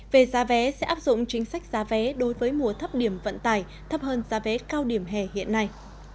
về giá vé sẽ áp dụng chính sách giá vé đối với mùa thấp điểm vận tải thấp hơn giá vé cao điểm hè hiện nay